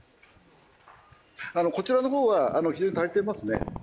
こちらのほうは足りていますね。